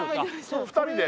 ２人で？